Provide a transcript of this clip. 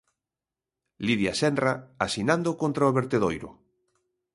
Lídia Senra, asinando contra o vertedoiro.